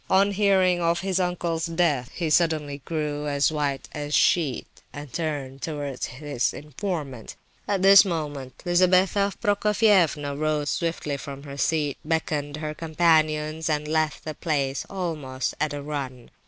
On hearing of his uncle's death he suddenly grew as white as a sheet, and turned towards his informant. At this moment, Lizabetha Prokofievna rose swiftly from her seat, beckoned her companions, and left the place almost at a run.